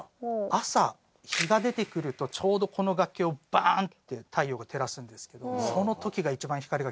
朝日が出てくるとちょうどこの崖をバーンって太陽が照らすんですけどその時が一番光がきれいなんですけど。